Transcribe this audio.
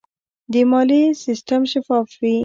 د مالیې سیستم شفاف وي.